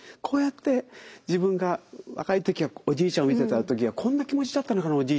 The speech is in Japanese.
こうやって自分が若い時はおじいちゃんを見てた時はこんな気持ちだったのかな